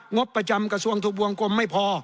บประจำกระทรวงถูกวงกลมไม่พอ